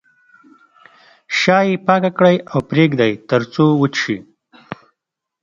شا یې پاکه کړئ او پرېږدئ تر څو وچ شي.